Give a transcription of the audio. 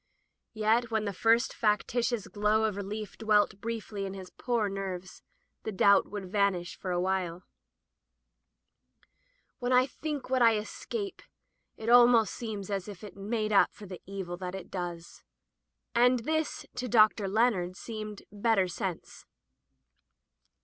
Yet when the first factitious glow of relief dwelt briefly in his poor nerves, the doubts would vanish for awhile. "When I think what I escape, it al Digitized by LjOOQ IC At Ephesus most seems as if it made up for the evil it does." And this to Dr. Leonard seemed better sense.